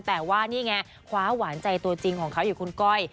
แต่ว่านี่ไงคว้าหวานใจตัวจริงของเขาอยู่คุณก้อย